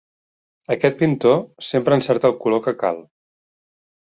Aquest pintor sempre encerta el color que cal.